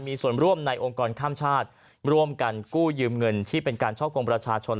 มีส่วนร่วมในองค์กรข้ามชาติร่วมกันกู้ยืมเงินที่เป็นการช่อกงประชาชน